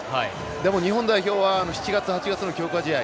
でも日本代表は７月、８月の強化試合